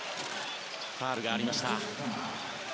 ファウルがありました。